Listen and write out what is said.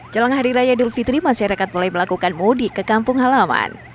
jelang hari raya idul fitri masyarakat mulai melakukan mudik ke kampung halaman